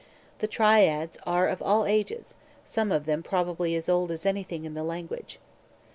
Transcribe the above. The Triads are of all ages, some of them probably as old as anything in the language.